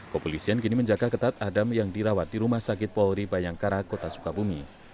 kepolisian kini menjaga ketat adam yang dirawat di rumah sakit polri bayangkara kota sukabumi